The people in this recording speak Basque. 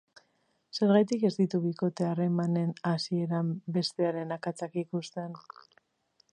Zergatik ez ditugu bikote harremanen hasieran bestearen akatsak ikusten?